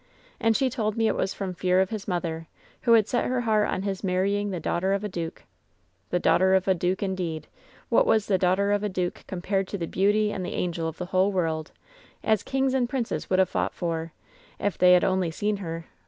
And she told me it was from fear of his mother, who had set her heart on his marrying the daughter of a duke. The daughter of a duke, indeed. What was the daughter of a duke compared to the beauty and the ungel of the whole world, as kings and princes would ta' fought for, if they had only seen her